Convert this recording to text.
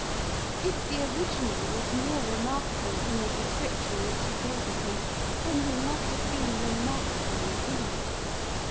If the original was more remarkable than the description which he gave of him, then he must have been remarkable indeed.